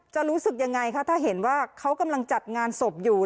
รู้สึกยังไงคะถ้าเห็นว่าเขากำลังจัดงานศพอยู่